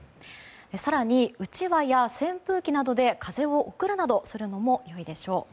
更に、うちわや扇風機などで風を送るなどするのも良いでしょう。